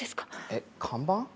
えっ看板？